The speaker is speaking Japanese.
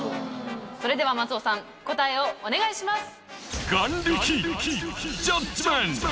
それでは松尾さん答えをお願いします！